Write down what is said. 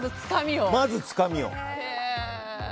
まずつかみを。